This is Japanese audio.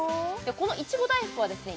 このいちご大福はですね